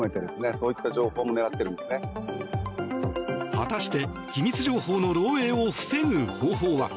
果たして機密情報の漏えいを防ぐ方法は。